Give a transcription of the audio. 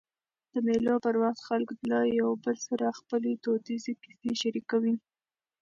د مېلو پر وخت خلک له یو بل سره خپلي دودیزي کیسې شریکوي.